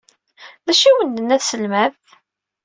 D acu ay awen-tenna tselmadt?